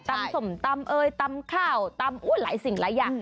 ตำสมตำตำข้าวตำหลายสิ่งหลายอย่าง